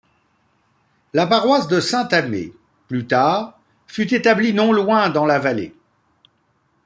La paroisse de Saint-Amé, plus tard, fut établie non loin dans la vallée.